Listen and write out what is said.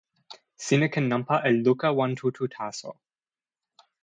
sina ken nanpa e luka wan tu tu taso.